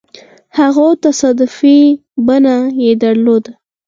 هغو تصادفي بڼه يې درلوده.